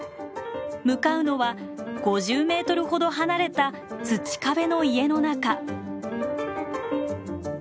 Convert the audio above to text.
向かうのは５０メートルほど離れた土壁の家の中。